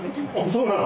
そうなの？